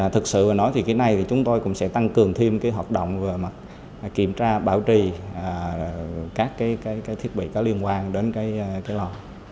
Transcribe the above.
thực sự mà nói thì cái này thì chúng tôi cũng sẽ tăng cường thêm cái hoạt động kiểm tra bảo trì các cái thiết bị có liên quan đến cái lò